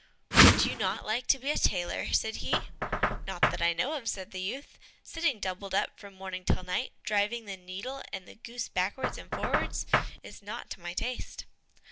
"Would you not like to be a tailor?" said he. "Not that I know of," said the youth; "sitting doubled up from morning till night, driving the needle and the goose backwards and forwards, is not to my taste."